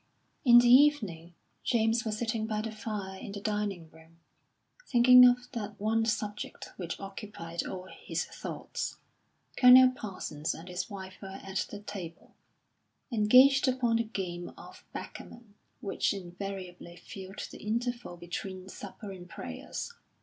In the evening, James was sitting by the fire in the dining room, thinking of that one subject which occupied all his thoughts. Colonel Parsons and his wife were at the table, engaged upon the game of backgammon which invariably filled the interval between supper and prayers.